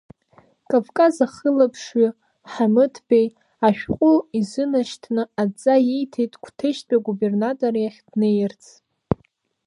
Кавказ ахылаԥшҩы, Ҳамыҭбеи ашәҟәы изынашьҭны, адҵа ииҭеит Қәҭешьтәи агубернатор иахь днеирц.